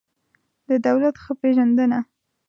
د دولت ښه پېژندنه